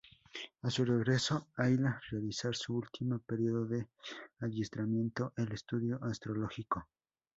A su regreso Ayla realizar su última periodo de adiestramiento, el estudio astrológico.